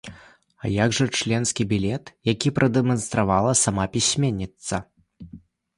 А як жа членскі білет, які прадэманстравала сама пісьменніца?